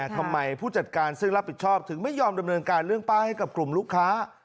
ผู้จัดการซึ่งรับผิดชอบถึงไม่ยอมดำเนินการเรื่องป้ายให้กับกลุ่มลูกค้า